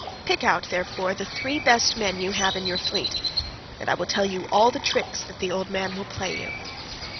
Pick out, therefore, the three best men you have in your fleet, and I will tell you all the tricks that the old man will play you.